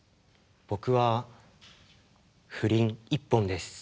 僕は不倫一本です。